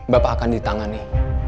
bapak akan ditangani